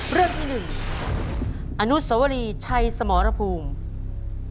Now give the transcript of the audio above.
เรื่องที่๑อนุสวรีชัยสมรภูมิ